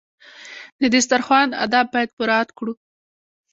د دسترخوان آداب باید مراعات کړو.